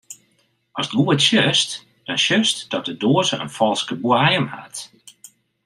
Ast goed sjochst, dan sjochst dat de doaze in falske boaiem hat.